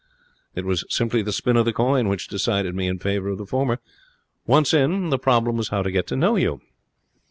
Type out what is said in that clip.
It was simply the spin of the coin which decided me in favour of the former. Once in, the problem was how to get to know you.